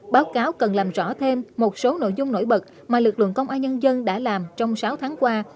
báo cáo cần làm rõ thêm một số nội dung nổi bật mà lực lượng công an nhân dân đã làm trong sáu tháng qua